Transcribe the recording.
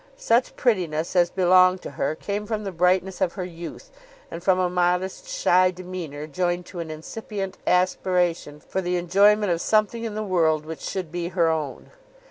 Such prettiness as belonged to her came from the brightness of her youth, and from a modest shy demeanour joined to an incipient aspiration for the enjoyment of something in the world which should be her own.